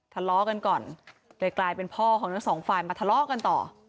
ทะเลาะกันก่อนเลยกลายเป็นพ่อของทั้งสองฝ่ายมาทะเลาะกันต่อ